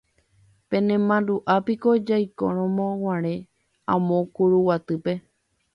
Penemandu'ápiko jaikoramoguare amo Kuruguatýpe.